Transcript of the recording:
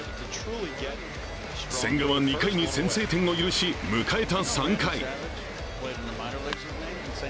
千賀は２回に先制点を許し、迎えた３回。